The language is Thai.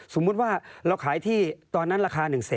สมมุติว่าเราขายที่ตอนนั้นราคา๑๐๐